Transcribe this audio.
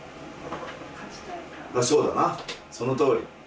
そうだなそのとおり。